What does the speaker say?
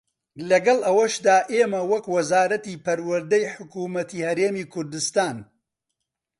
لەگەڵ ئەوەشدا ئێمە وەک وەزارەتی پەروەردەی حکوومەتی هەرێمی کوردستان